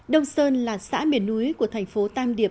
đông sơn là sản phẩm